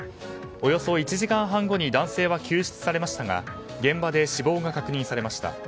およそ１時間半後に男性は救出されましたが現場で死亡が確認されました。